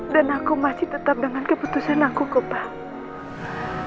dan aku masih tetap dengan keputusan aku kok pak